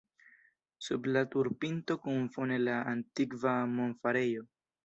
Sub la turpinto kun fone la antikva monfarejo.